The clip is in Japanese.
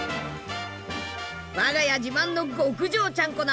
我が家自慢の極上ちゃんこ鍋